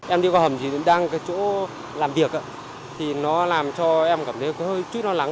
em đi qua hầm thì đang cái chỗ làm việc thì nó làm cho em cảm thấy hơi chút lo lắng